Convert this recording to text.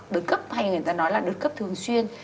đợt cấp hay người ta nói là đợt cấp thường xuyên